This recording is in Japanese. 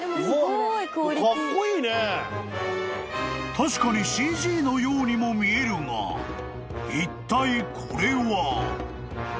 ［確かにＣＧのようにも見えるがいったいこれは？］